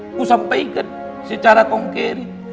aku sampaikan secara konkur